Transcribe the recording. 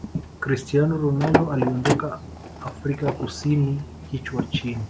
cristiano ronaldo aliondoka afrika kusini kichwa chini